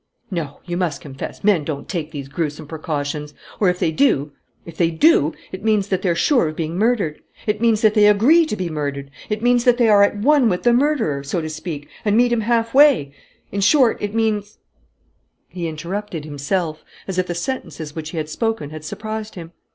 "No, you must confess, men don't take these gruesome precautions. Or, if they do if they do, it means that they're sure of being murdered. It means that they agree to be murdered. It means that they are at one with the murderer, so to speak, and meet him halfway. In short, it means " He interrupted himself, as if the sentences which he had spoken had surprised him.